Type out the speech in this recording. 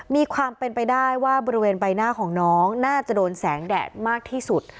มีความเป็นไปได้ว่าบริเวณใบหน้าของน้องน่าจะโดนแสงแดดมากที่สุด